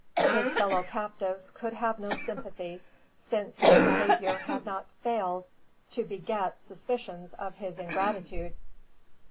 His fellow captives could have no sympathy, since his behaviour had not failed to beget suspicions of his ingratitude.